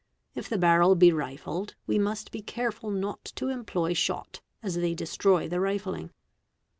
If the barrel be rifled, we must be careful not to employ shot, as they destroy the rifling.